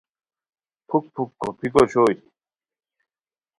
پُھک پُھک کھوپیک اوشوئے